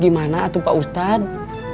kisah kisah dari pak ustadz